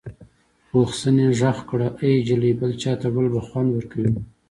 پوخ سنې غږ کړ ای جلۍ بل چاته وړل به خوند ورکوي نو.